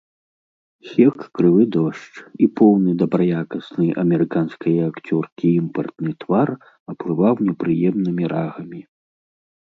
Сек крывы дождж, і поўны дабраякасны амерыканскае акцёркі імпартны твар аплываў непрыемнымі рагамі.